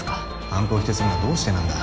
犯行を否定するのはどうしてなんだ？